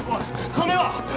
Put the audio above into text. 金は？